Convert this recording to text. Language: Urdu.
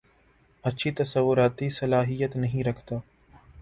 اچھی تصوارتی صلاحیت نہیں رکھتا